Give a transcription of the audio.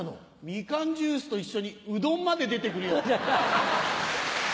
ミカンジュースと一緒にうどんまで出てくるよ。